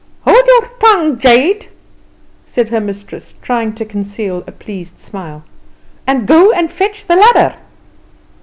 "Hold your tongue, jade," said her mistress, trying to conceal a pleased smile, "and go and fetch the ladder."